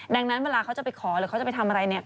ดังนั้นเวลาเขาจะไปขอหรือเขาจะไปทำอะไรเนี่ย